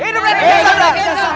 hidup raden kian santang